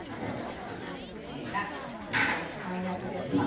これがきょう使うやつですわ。